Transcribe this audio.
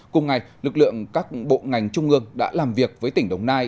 cùng ngày lực lượng các bộ ngành trung ương đã làm việc với tỉnh đồng nai